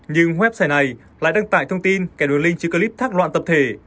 nhưng web sẻ này lại đăng tải thông tin kẻ đồ linh trên clip thác loạn tập thể